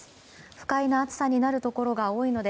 不快な暑さになるところが多いので